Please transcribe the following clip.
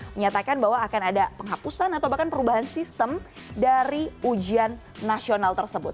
menyatakan bahwa akan ada penghapusan atau bahkan perubahan sistem dari ujian nasional tersebut